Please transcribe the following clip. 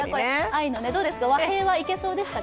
どうですか和平はいけそうでしたか。